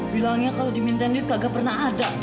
bilangnya kalo dimintain dit gak pernah ada